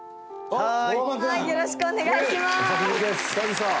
はい。